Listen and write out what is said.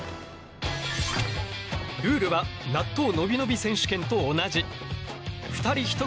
ルールは納豆のびのび選手権と同じ。